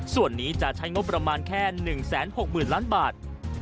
ส่วนนี้จะใช้งบประมาณแค่๑๖๐๐๐ล้านบาท